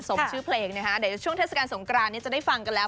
สมชื่อเพลงในช่วงเทศกาลสงกรานจะได้ฟังกันแล้ว